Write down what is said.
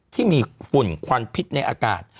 ที่มีฝุ่นควันพิษในอากาศ